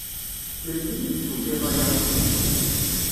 Melmi i d-tufiḍ aya?